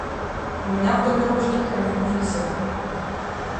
У меня в доме ручки хранить нельзя.